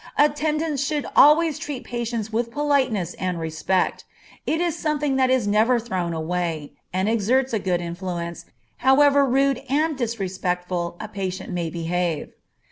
Attendants should always treat patients with politeness and respect; it is something that is never thrown away, and exerts a good influence, however rude and disrespectful a patient may behave.